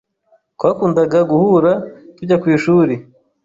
Twakundaga guhura tujya ku ishuri.